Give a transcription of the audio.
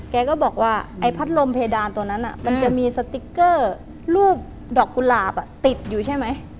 แกก็บอกว่าไอ้พัดลมเพดานตัวนั้นมันจะมีสติ๊กเกอร์รูปดอกกุหลาบติดอยู่ใช่ไหม